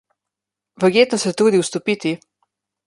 Verjetno se trudi vstopiti.